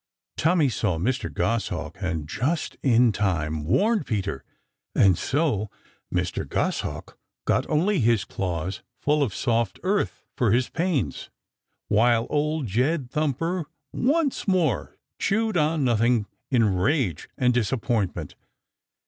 Tommy saw Mr. Goshawk and just in time warned Peter, and so Mr. Goshawk got only his claws full of soft earth for his pains, while Old Jed Thumper once more chewed on nothing in rage and disappointment.